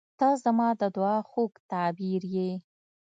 • ته زما د دعا خوږ تعبیر یې.